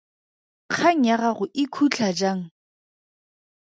Kgang ya gago e khutla jang?